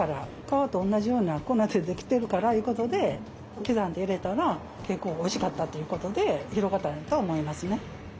皮と同じような粉でできてるからいうことで刻んで入れたら結構おいしかったっていうことで広がったんやと思いますね。